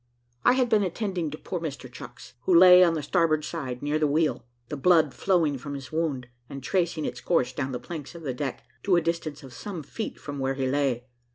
I had been attending to poor Mr Chucks, who lay on the starboard side, near the wheel, the blood flowing from his wound, and tracing its course down the planks of the deck, to a distance of some feet from where he lay.